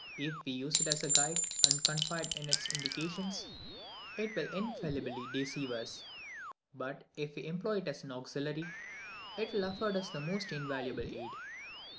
If we use it as a guide, and confide in its indications, it will infallibly deceive us; but if we employ it as an auxiliary, it will afford us the most invaluable aid.